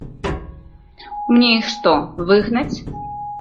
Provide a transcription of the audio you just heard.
Мне іх што, выгнаць?